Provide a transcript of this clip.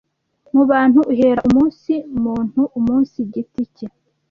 mu bantu uhera umunsi muntu umunsi giti cye.